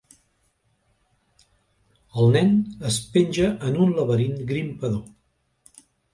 Un nen es penja en un laberint grimpador.